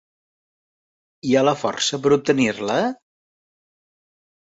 Hi ha la força per obtenir-la?